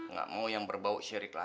nggak mau yang berbau sirik lagi